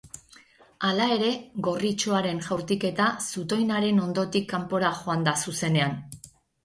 Hala ere, gorritxoaren jaurtiketa zutoinaren ondotik kanpora joan da zuzenean.